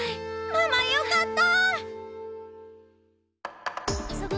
ママよかった！